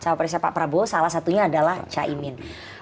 cawapresnya pak prabowo salah satunya adalah caimin